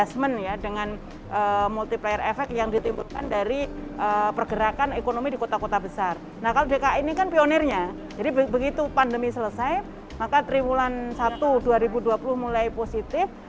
kalau dki ini kan pionirnya jadi begitu pandemi selesai maka triwulan satu dua ribu dua puluh mulai positif